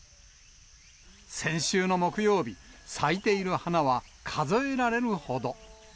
先週の木曜日、咲いている花は数えられるほど。